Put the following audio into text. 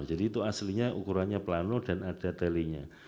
jadi itu aslinya ukurannya pelan dan ada telingnya